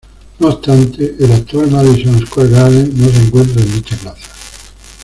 No obstante, el actual Madison Square Garden no se encuentra en dicha plaza.